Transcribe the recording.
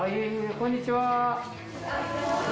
こんにちは。